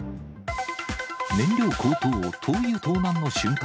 燃料高騰、灯油盗難の瞬間。